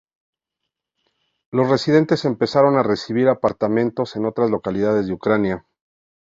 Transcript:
Los residentes empezaron a recibir apartamentos en otras localidades de Ucrania.